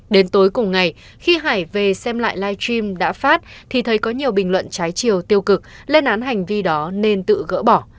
đến tối cùng ngày khi hải về xem lại live stream đã phát thì thấy có nhiều bình luận trái chiều tiêu cực lên án hành vi đó nên tự gỡ bỏ